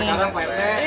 sekarang pak rete